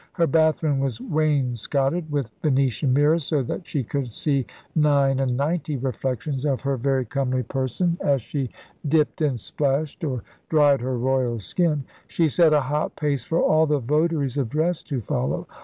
Her bathroom was wainscoted with Venetian mirrors so that she could see *nine and ninety' reflections of her very comely person as ELIZABETHAN ENGLAND 69 she dipped and splashed or dried her royal skin. She set a hot pace for all the votaries of dress to follow.